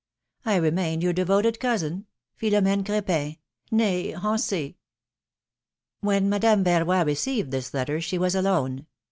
I remain your devoted cousin, ^^PHILOM^:NE Cr^PIN, nee Hensey." When Madame Verroy received this letter she was alone.